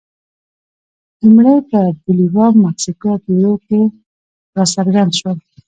لومړی په بولیویا، مکسیکو او پیرو کې راڅرګند شول.